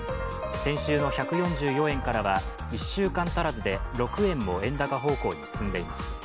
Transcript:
先週の１４４円からは１週間足らずで６円も円高方向に進んでいます。